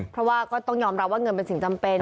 เพราะว่าก็ต้องยอมรับว่าเงินเป็นสิ่งจำเป็น